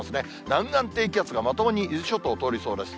南岸低気圧がまともに伊豆諸島を通りそうです。